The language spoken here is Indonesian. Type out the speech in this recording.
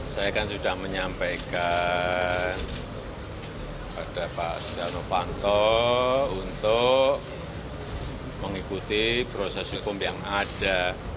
saya kan sudah menyampaikan pada pak setia novanto untuk mengikuti proses hukum yang ada